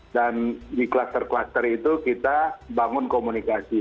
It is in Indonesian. dan di kluster kluster itu kita bangun komunikasi